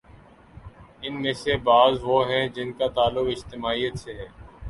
ان میں سے بعض وہ ہیں جن کا تعلق اجتماعیت سے ہے۔